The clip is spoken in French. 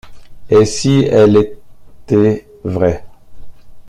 Et si elle était vraie?